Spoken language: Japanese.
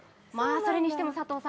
それにしても佐藤さん